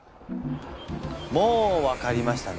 もう分かりましたね。